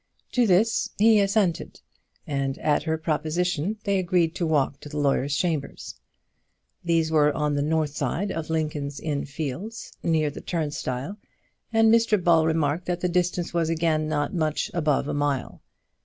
To this he assented, and at her proposition they agreed to walk to the lawyer's chambers. These were on the north side of Lincoln's Inn Fields, near the Turnstile, and Mr Ball remarked that the distance was again not much above a mile.